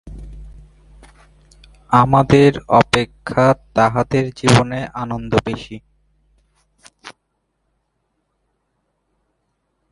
আমাদের অপেক্ষা তাহাদের জীবনে আনন্দ বেশী।